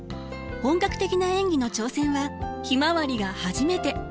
本格的な演技の挑戦は「ひまわり」が初めて。